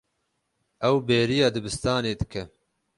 Ew bêriya dibistanê dike.